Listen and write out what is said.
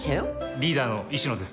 リーダーの石野です。